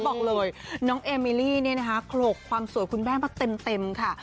บอกเลยน้องเอมิลี่เนี่ยนะคะโขลกความสวยคุณแม่มาเต็มค่ะ